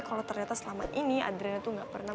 kalau ternyata selama ini adriana tuh gak pernah